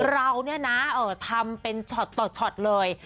เราเนี่ยนะทำเป็นช็อตต่อช็อตเลย